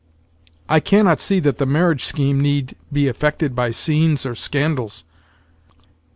"I cannot see that the marriage scheme need, be affected by scenes or scandals."